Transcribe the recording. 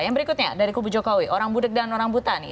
yang berikutnya dari kubu jokowi orang budeg dan orang butani